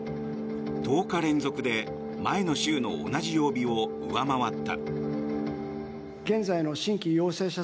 １０日連続で前の週の同じ曜日を上回った。